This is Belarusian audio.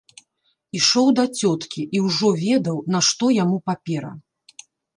Ішоў да цёткі і ўжо ведаў, нашто яму папера.